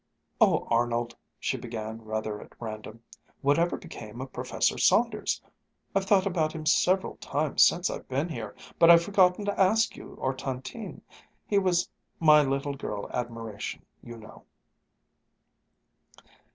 "Oh, Arnold," she began, rather at random, "whatever became of Professor Saunders? I've thought about him several times since I've been here, but I've forgotten to ask you or Tantine. He was my little girl admiration, you know."